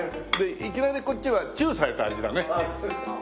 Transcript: いきなりこっちはチューされた味だね。